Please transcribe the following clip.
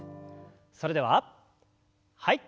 それでははい。